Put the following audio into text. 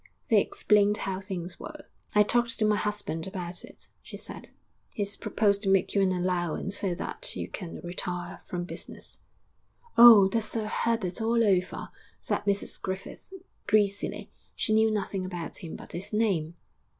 They explained how things were. 'I talked to my husband about it,' she said; 'he's proposed to make you an allowance so that you can retire from business.' 'Oh, that's Sir Herbert all over,' said Mrs Griffith, greasily she knew nothing about him but his name!